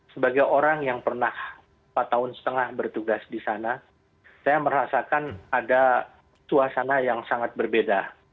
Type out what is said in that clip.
sebagai orang yang pernah empat tahun setengah bertugas di sana saya merasakan ada suasana yang sangat berbeda